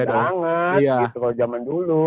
gede banget gitu kalau jaman dulu